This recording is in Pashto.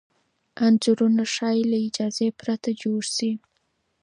انځورونه ښايي له اجازې پرته جوړ شي.